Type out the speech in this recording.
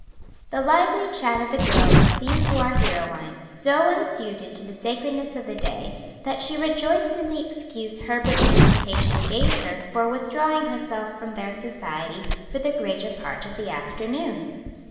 The lively chat of the girls seemed to our heroine so unsuited to the sacredness of the day that she rejoiced in the excuse Herbert's invitation gave her for withdrawing herself from their society for the greater part of the afternoon.